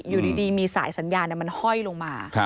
อยู่ดีมีสายสัญญาณมันห้อยลงมา